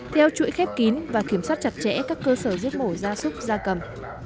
theo chuỗi khép kín và kiểm soát chặt chẽ các cơ sở giết mổ gia súc gia cầm